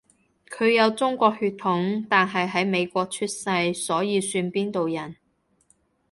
佢有中國血統，但係喺美國出世，所以算邊度人？